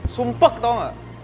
sumpek tau ga